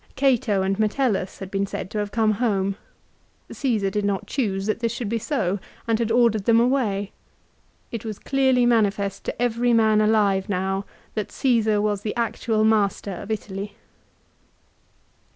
Cato and Metellus had been said to have come home. Csesar did not choose that this should be so, and had ordered them away. It was clearly manifest to every man alive now that Csesar was the actual master of Italy. 1 Ad Att. lib. xi. 5. a Horace, Sat.